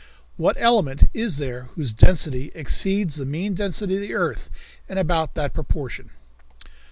What element is there whose density exceeds the mean density of the earth in about that proportion?"